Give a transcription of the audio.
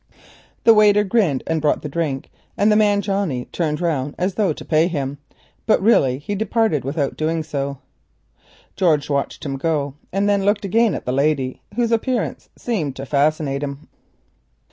The waiter grinned and brought the drink and the man Johnnie turned round as though to pay him, but really he went without doing so. George watched him go, and then looked again at the lady, whose appearance seemed to fascinate him.